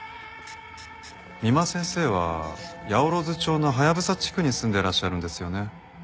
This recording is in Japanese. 三馬先生は八百万町のハヤブサ地区に住んでらっしゃるんですよね？